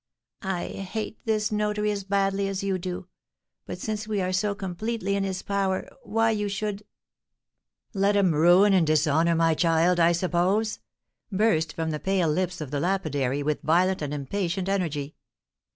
I hate this notary as badly as you do; but since we are so completely in his power, why you should " "Let him ruin and dishonour my child, I suppose?" burst from the pale lips of the lapidary, with violent and impatient energy.